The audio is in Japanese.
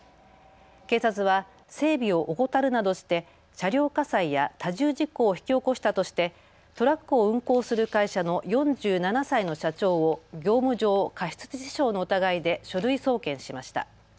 警察は整備を怠るなどして車両火災や多重事故を引き起こしたとしてトラックを運行する会社の４７歳の社長を業務上過失致死傷の疑いで書類送検しました。